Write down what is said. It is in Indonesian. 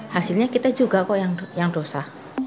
hasilnya kita juga kok yang dosa